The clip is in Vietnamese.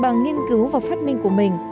bằng nghiên cứu và phát minh của mình